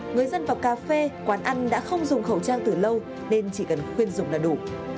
người dân vào cà phê quán ăn đã không dùng khẩu trang từ lâu nên chỉ cần khuyên dùng là đủ